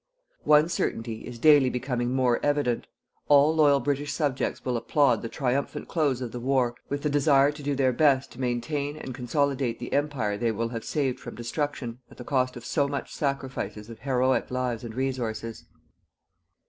One certainty is daily becoming more evident. All loyal British subjects will applaud the triumphant close of the war with the desire to do their best to maintain and consolidate the Empire they will have saved from destruction at the cost of so much sacrifices of heroic lives and resources.